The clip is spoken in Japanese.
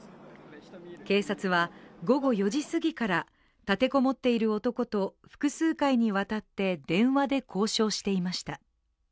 警察は午後４時すぎから立てこもっている男と複数回にわたって電話で交渉していました。